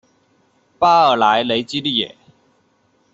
巴尔莱雷居利耶。